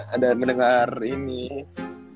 ada mendengar ini ya